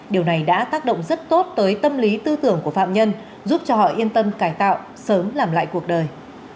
điều này đã tác động rất tốt tới tâm lý tư tưởng của phạm nhân giúp cho họ yên tâm cải tạo sớm làm lại cuộc đời